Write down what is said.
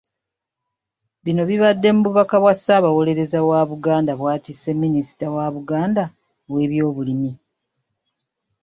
Bino bibadde mu bubaka bwa Ssaabawolereza wa Buganda bw'atisse Minisita wa Buganda ow'ebyobulimi.